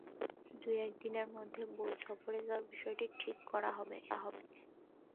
দু-এক দিনের মধ্যে বৈঠক করে সফরে যাওয়ার বিষয়টি ঠিক করা হবে।